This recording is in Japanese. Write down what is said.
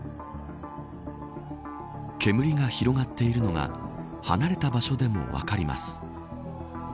煙が広がっているのが離れた場所でも分かります。